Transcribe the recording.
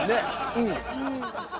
うん。